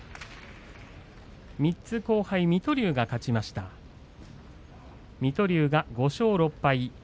３つ後輩の水戸龍が勝ちました５勝６敗。